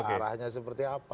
arahnya seperti apa